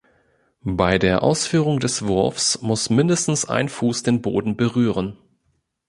Bei der Ausführung des Wurfs muss mindestens ein Fuß den Boden berühren.